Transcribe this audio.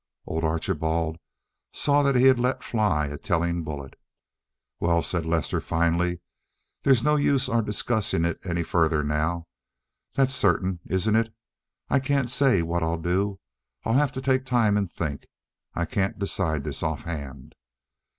Old Archibald saw that he had let fly a telling bullet. "Well," said Lester finally, "there's no use of our discussing it any further now—that's certain, isn't it? I can't say what I'll do. I'll have to take time and think. I can't decide this offhand."